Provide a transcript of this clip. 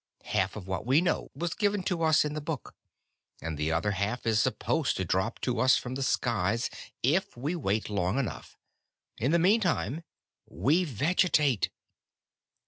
Half of what we know was given to us in the Book, and the other half is supposed to drop to us from the skies if we wait long enough. In the meantime, we vegetate."